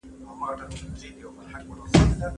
د سړي عزت د هغه په اخلاقو کي ښکاري.